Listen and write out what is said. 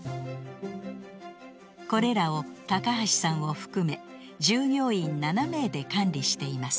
これらを橋さんを含め従業員７名で管理しています。